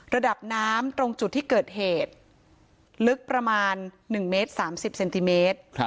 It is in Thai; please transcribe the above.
ระดับน้ำตรงจุดที่เกิดเหตุลึกประมาณ๑เมตร๓๐เซนติเมตร